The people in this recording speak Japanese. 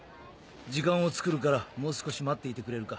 時間をつくるからもう少し待っていてくれるか？